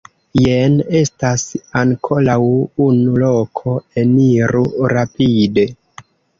Jen estas ankoraŭ unu loko, eniru rapide.